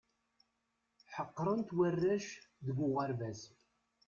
Ḥeqren-t warrac deg uɣerbaz.